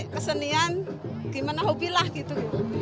ya menikmati kesenian gimana hobilah gitu